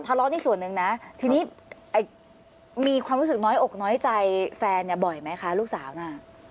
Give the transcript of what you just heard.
ทะเลาะนี่ส่วนหนึ่งนะทีนี้มีความรู้สึกน้อยอกน้อยใจแฟนเนี่ยบ่อยไหมคะลูกสาวน่ะ